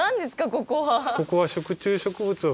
ここは。